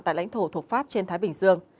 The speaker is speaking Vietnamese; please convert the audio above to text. tại lãnh thổ thuộc pháp trên thái bình dương